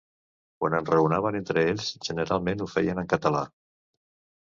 Quan enraonaven entre ells, generalment ho feien en català.